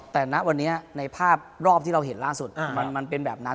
แต่ณวันนี้ในภาพรอบที่เราเห็นล่าสุดมันเป็นแบบนั้น